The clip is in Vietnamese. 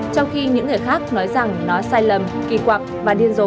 trong khi những người khác nói rằng nó sai lầm kỳ quặc